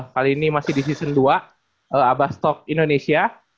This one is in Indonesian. kali ini masih di season dua abastok indonesia